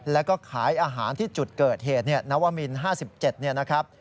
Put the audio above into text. แล้วก็ขายอาหารที่จุดเกิดเหตุนวมิน๕๗เนี่ยนะครับ